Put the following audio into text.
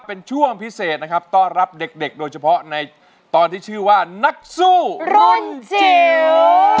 เป็นช่วงพิเศษนะครับต้อนรับเด็กโดยเฉพาะในตอนที่ชื่อว่านักสู้รุ่นจิ๋ว